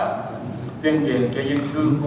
tuyên truyền cho dân cư